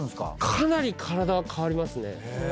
かなり体は変わりますね。